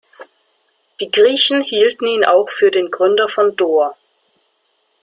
Die Griechen hielten ihn auch für den Gründer von Dor.